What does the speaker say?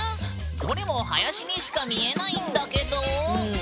どれも林にしか見えないんだけど。